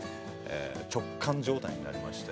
直管状態になりまして。